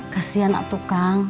kasian ak tukang